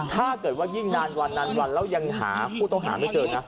ถ้าเกิดว่ายิ่งนานวันนานวันยังหาถูกยังหาไม่เจอ